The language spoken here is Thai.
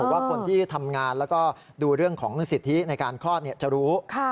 ว่าคนที่ทำงานแล้วก็ดูเรื่องของสิทธิในการคลอดจะรู้